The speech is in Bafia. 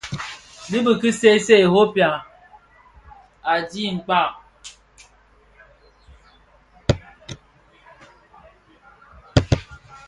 Bi ki ki see see Europa, adhi kpaa,